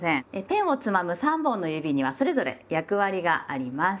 ペンをつまむ３本の指にはそれぞれ役割があります。